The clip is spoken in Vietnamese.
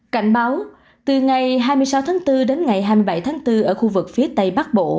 cảnh báo từ ngày hai mươi sáu tháng bốn đến ngày hai mươi bảy tháng bốn ở khu vực phía tây bắc bộ